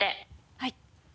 はい。